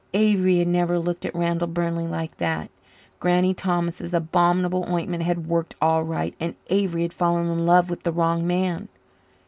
Avery had never looked at Randall Burnley like that. Granny Thomas' abominable ointment had worked all right and Avery had fallen in love with the wrong man.